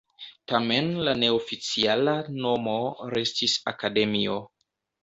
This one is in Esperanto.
Tamen la neoficiala nomo restis akademio.